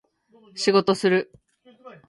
仕事する